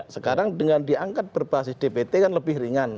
sekarang dengan diangkat berbasis dpt kan lebih ringan